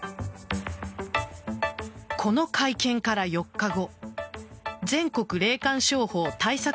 この会見から４日後全国霊感商法対策